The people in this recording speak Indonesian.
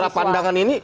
bukan cara pandangan ini